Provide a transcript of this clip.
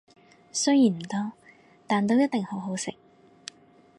雖然唔多，但都一定好好食